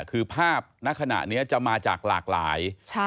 คือภาพณขณะนี้จะมาจากหลากหลาย